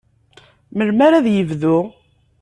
Melmi ara ad yebdu?